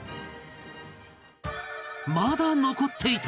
まだ残っていた